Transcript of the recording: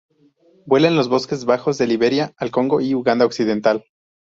Vuela en los bosques bajos de Liberia al Congo y Uganda occidental.